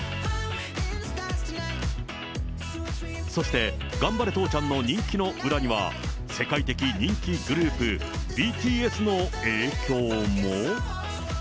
そして、がんばれ父ちゃんの人気の裏には、世界的人気グループ、ＢＴＳの影響も？